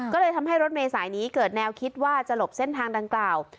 ก็เลยทำให้รถเมษายนี้เกิดแนวคิดว่าจะหลบเส้นทางดังกล่าว